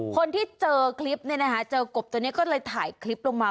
คนที่เจอคลิปเนี่ยนะคะเจอกบตัวนี้ก็เลยถ่ายคลิปลงมา